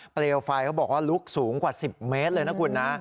เปลวไฟเขาบอกว่าลุกสูงกว่า๑๐เมตรเลยนะคุณนะ